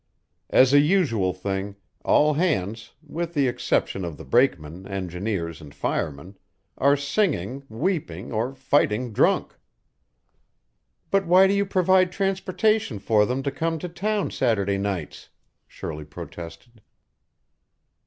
As a usual thing, all hands, with the exception of the brakeman, engineers, and fireman, are singing, weeping or fighting drunk." "But why do you provide transportation for them to come to town Saturday nights?" Shirley protested.